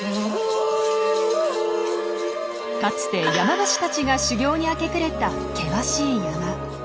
かつて山伏たちが修行に明け暮れた険しい山。